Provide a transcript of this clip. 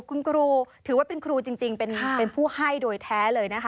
คุณครูถือว่าเป็นครูจริงเป็นผู้ให้โดยแท้เลยนะคะ